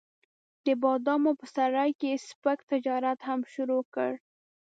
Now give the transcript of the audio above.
د بادامو په سرای کې یې سپک تجارت هم شروع کړ.